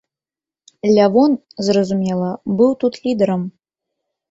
Лявон, зразумела, быў тут лідэрам.